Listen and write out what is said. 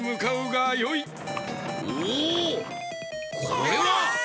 これは！